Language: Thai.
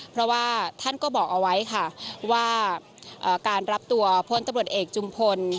เพราะว่าท่านก็บอกเอาไว้ค่ะว่าการรับตัวพลตำรวจเอกจุมพล